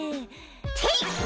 てい！